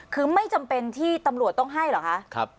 คือไม่จำเป็นที่ตำรวจต้องให้เหรอคะ